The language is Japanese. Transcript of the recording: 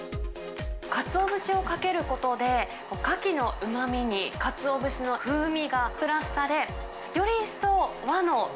かつお節をかけることで、カキのうまみにかつお節の風味がプラスされ、より一層、和のう